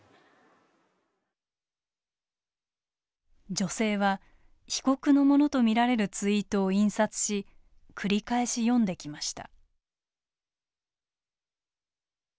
女性は被告のものと見られるツイートを印刷し繰り返し読んできました。